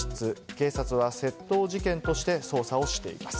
警察は窃盗事件として捜査をしています。